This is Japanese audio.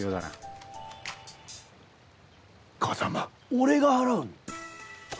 俺が払うの⁉